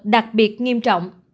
đặc biệt nghiêm trọng